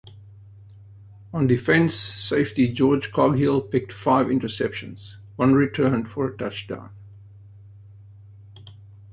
On defense, safety George Coghill picked five interceptions, one returned for a touchdown.